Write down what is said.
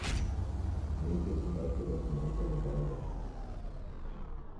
Nehmen wir zum Beispiel das gemeinsame Wahlrecht.